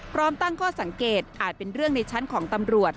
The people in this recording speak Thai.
พร้อมตั้งข้อสังเกตอาจเป็นเรื่องในชั้นของตำรวจ